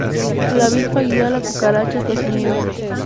La avispa guía a la cucaracha hasta su nido.